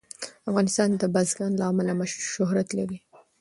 افغانستان د بزګان له امله شهرت لري.